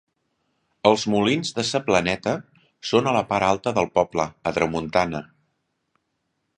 Els molins de sa Planeta són a la part alta del poble, a tramuntana.